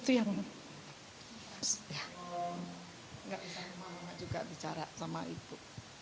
tidak bisa kemana mana juga bicara sama ibu